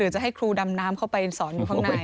จะให้ครูดำน้ำเข้าไปสอนอยู่ข้างใน